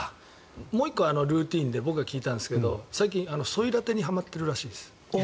もう１個ルーティンで聞いたんですけど最近、ソイラテにはまっているらしいです。